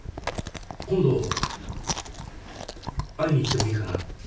今度会いに行ってもいいかなって。